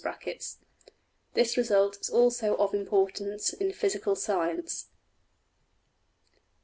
\] This result is also of importance in physical science.